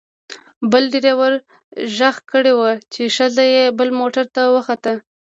بل ډریور غږ کړی و چې ښځه یې بل موټر ته وخوته.